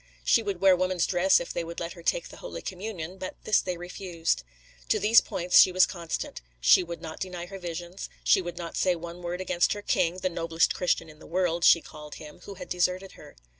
She would wear woman's dress if they would let her take the Holy Communion, but this they refused. To these points she was constant: she would not deny her visions; she would not say one word against her king, "the noblest Christian in the world" she called him, who had deserted her.